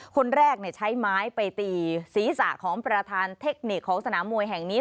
คนแรกใช้ไม้ไปตีศีรษะของประธานเทคนิคของสนามมวยแห่งนี้